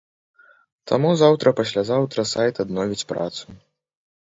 Таму заўтра-паслязаўтра сайт адновіць працу.